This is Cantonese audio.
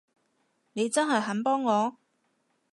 你真係肯幫我？